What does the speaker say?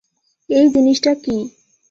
এই জিনিসটা কি?